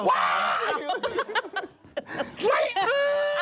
ไม่เออ